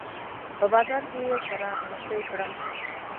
په بازار کې يې سره نيڅۍ کړم